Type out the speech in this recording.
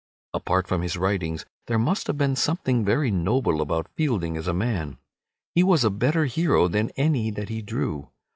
Apart from his writings, there must have been something very noble about Fielding as a man. He was a better hero than any that he drew.